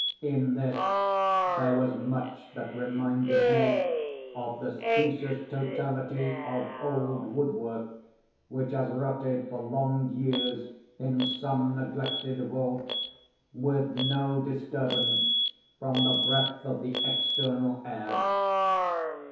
In this there was much that reminded me of the specious totality of old wood work which has rotted for long years in some neglected vault, with no disturbance from the breath of the external air.